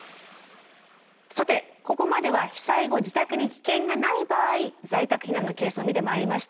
さてここまでは被災後自宅に危険がない場合在宅避難のケースを見てまいりました。